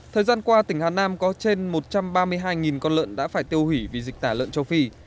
thời gian qua tỉnh hà nam có trên một trăm ba mươi hai con lợn đã phải tiêu hủy vì dịch tả lợn châu phi